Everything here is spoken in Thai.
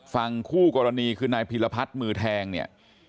ฝั่งคู่กรณีคือนายพิรพัฒน์มือแทงเนี่ย